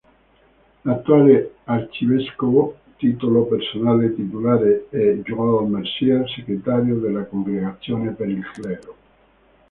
L'attuale arcivescovo, titolo personale, titolare, è Joël Mercier, segretario della Congregazione per il Clero.